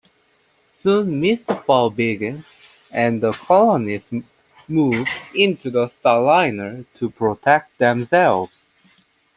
Soon Mistfall begins, and the colonists move into the Starliner to protect themselves.